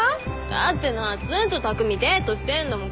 だってなっつんと匠デートしてんだもん。